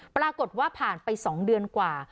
ปรากฏว่าผ่านไป๒เดือนกว่า